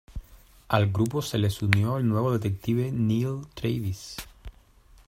Al grupo se les unió el nuevo detective Neil Travis.